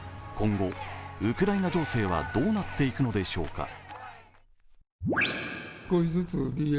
今後、ウクライナ情勢はどうなっていくのでしょうか。